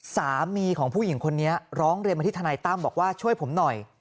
สามีของผู้หญิงคนนี้ร้องเรียนมาที่ทนายตั้มบอกว่าช่วยผมหน่อย